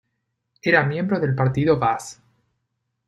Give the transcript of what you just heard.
Era miembro del partido Baaz.